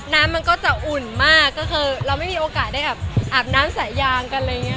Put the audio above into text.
มันก็จะอุ่นมากก็คือเราไม่มีโอกาสได้แบบอาบน้ำสายยางกันอะไรอย่างนี้